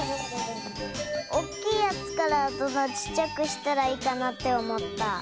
おっきいやつからどんどんちっちゃくしたらいいかなっておもった。